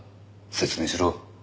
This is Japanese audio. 説明しろ。